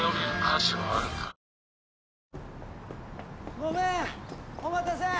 ごめんお待たせ！